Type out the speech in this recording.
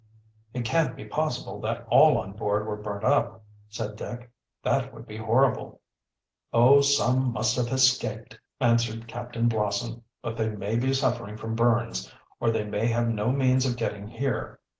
"It can't be possible that all on board were burnt up," said Dick. "That would be horrible." "Oh, some must have escaped," answered Captain Blossom. "But they may be suffering from burns, or they may have no means of getting here.